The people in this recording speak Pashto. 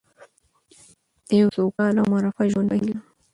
د یو سوکاله او مرفه ژوند په هیله.